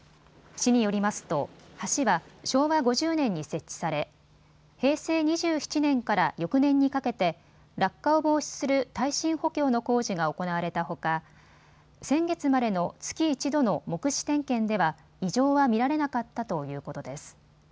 市によりますと橋は昭和５０年に設置され平成２７年から翌年にかけて落下を防止する耐震補強の工事が行われたほか先月までの月１度の目視点検では異常は見られなかったということです。